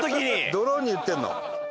ドローンに言ってんの？